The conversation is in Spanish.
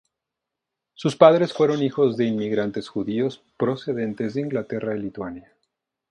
Sus padres fueron hijos de inmigrantes judíos procedentes de Inglaterra y Lituania.